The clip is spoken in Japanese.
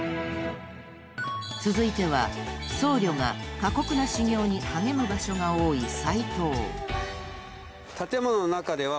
［続いては僧侶が過酷な修行に励む場所が多い西塔］